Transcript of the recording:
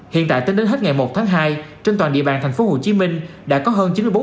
hiện tại tính đến hết ngày một tháng hai trên toàn địa bàn tp hcm đã có hơn chín mươi bốn